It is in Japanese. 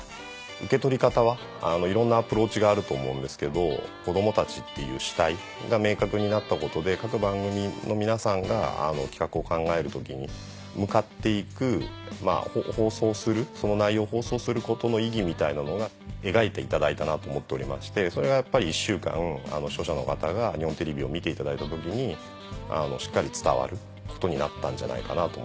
受け取り方はいろんなアプローチがあると思うんですけど「子どもたち」っていう主体が明確になったことで各番組の皆さんが企画を考える時に向かっていくその内容を放送することの意義みたいなのが描いていただいたなと思っておりましてそれがやっぱり１週間視聴者の方が日本テレビを見ていただいた時にしっかり伝わることになったんじゃないかなと思います。